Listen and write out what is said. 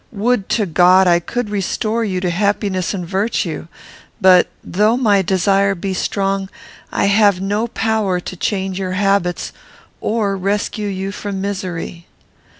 Would to God I could restore you to happiness and virtue! but, though my desire be strong, I have no power to change your habits or rescue you from misery.